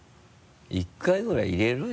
１回ぐらい入れる？